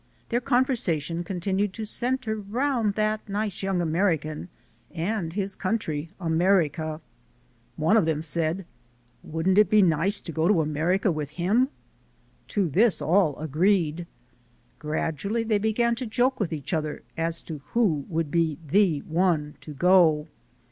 Their conversation continued to center round "that nice young American" and his country, America. One of them said, "Wouldn't it be nice to go to America with him?" To this all agreed. Gradually they began to joke with each other as to who would be the one to go.